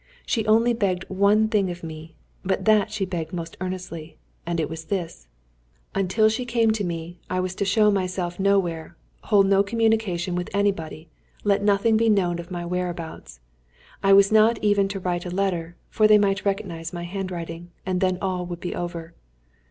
She only begged one thing of me, but that she begged most earnestly, and it was this: until she came to me I was to show myself nowhere, hold no communication with anybody, let nothing be known of my whereabouts. I was not even to write a letter, for they might recognise my handwriting, and then all would be over.